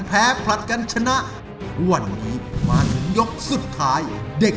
แพ้ผลัดกันชนะวันนี้มาถึงยกสุดท้ายเด็ก